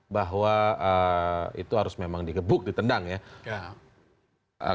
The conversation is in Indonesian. bahwa itu harus memang digebuk ditendang ya